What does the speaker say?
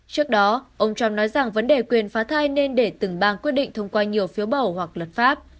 trước đó ông trump nói rằng vấn đề quyền phá thai nên để từng bang quyết định thông qua nhiều phiếu bầu hoặc luật pháp